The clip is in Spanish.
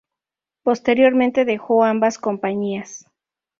Posteriormente dejó ambas compañías.